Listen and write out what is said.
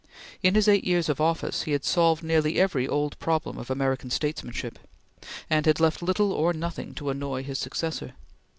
In his eight years of office he had solved nearly every old problem of American statesmanship, and had left little or nothing to annoy his successor.